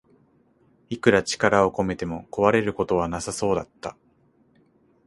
いくら力を込めても壊れることはなさそうだった